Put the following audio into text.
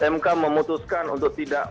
mk memutuskan untuk tidak